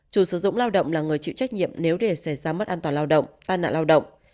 chủ sử dụng lao động là người chịu trách nhiệm nếu để xảy ra mất an toàn lao động tai nạn lao động